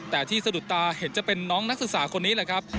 แต่ที่สะดุดตาเห็นจะเป็นน้องนักศึกษาคนนี้แหละครับ